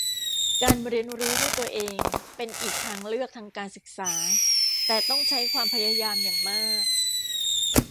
การเรียนรู้ด้วยตัวเองเป็นอีกทางเลือกทางการศึกษาแต่ต้องใช้ความพยายามอย่างมาก